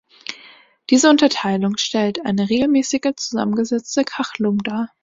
Diese Unterteilung stellt eine regelmäßige zusammengesetzte Kachelung dar.